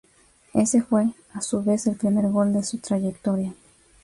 Ese fue, a su vez, el primer gol de su trayectoria.